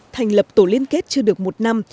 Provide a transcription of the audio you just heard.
thành lập tổ liên kết chưa được một năm